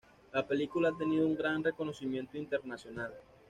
La película ha tenido un gran reconocimiento internacional.